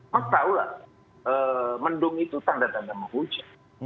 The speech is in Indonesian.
mas tahu lah mendung itu tanda tanda mau hujan